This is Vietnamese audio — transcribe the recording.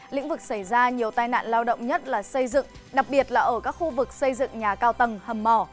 lĩnh vực xảy ra nhiều tai nạn lao động nhất là xây dựng đặc biệt là ở các khu vực xây dựng nhà cao tầng hầm mỏ